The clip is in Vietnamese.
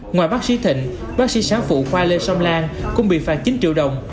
ngoài bác sĩ thịnh bác sĩ sáng phụ khoa lê song lan cũng bị phạt chín triệu đồng